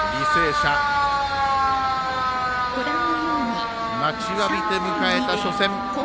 社待ちわびて迎えた初戦。